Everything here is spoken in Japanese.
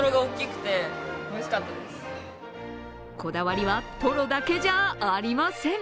こだわりは、とろだけじゃありません。